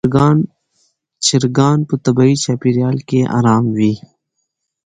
چرګان په طبیعي چاپېریال کې آرام وي.